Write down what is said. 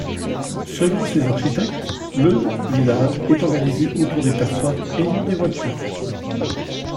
Selon ses architectes, le village est organisé autour des personnes et non des voitures.